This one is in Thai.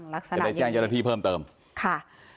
ลักษณะอย่างนี้ค่ะ